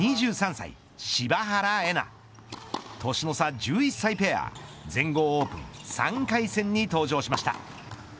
２３歳、柴原瑛菜年の差１１歳ペア全豪オープン３回戦に登場しました。